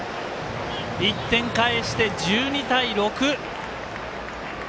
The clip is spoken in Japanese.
１点返して１２対６。